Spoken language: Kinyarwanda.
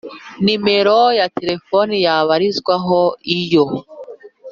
nimero ya telefoni yabarizwaho iyo